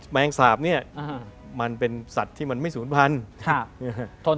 แมงสาปนี้เป็นสัตว์ที่ไม่สูญพันธุ์